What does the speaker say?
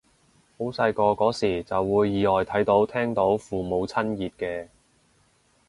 好細個嗰時就會意外睇到聽到父母親熱嘅